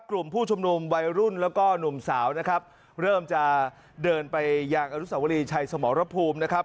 กลุ่มผู้ชุมนุมวัยรุ่นแล้วก็หนุ่มสาวนะครับเริ่มจะเดินไปยังอนุสาวรีชัยสมรภูมินะครับ